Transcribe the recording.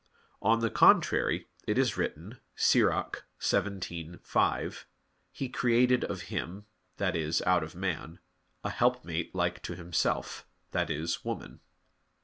On the contrary, It is written (Ecclus. 17:5): "He created of him," that is, out of man, "a helpmate like to himself," that is, woman.